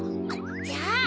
じゃあ。